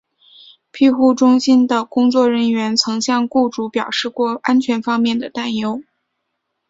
庇护中心的工作人员曾向雇主表示过安全方面的担忧。